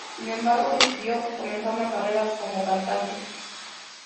Sin embargo, decidió comenzar una carrera como cantante.